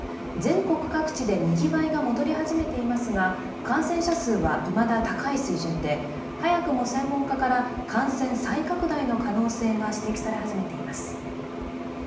全国各地でにぎわいが戻り始めていますが、感染者数はいまだ高い水準で早くも専門家から感染再拡大の可能性が指摘され始めています。